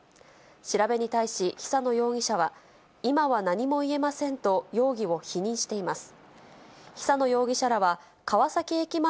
調べに対し久野容疑者は、今は何も言えませんと、容疑を否認しています。